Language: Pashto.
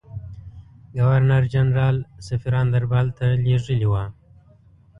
ګورنرجنرال سفیران دربارته لېږلي وه.